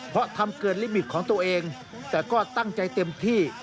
เพราะทำเกินลิบิตของตัวเองแต่ก็ตั้งใจเต็มที่